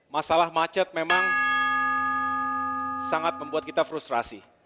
masalah macet memang sangat membuat kita frustrasi